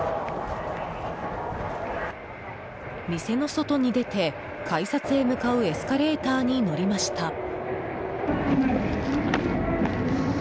店の外に出て、改札へ向かうエスカレーターに乗りました。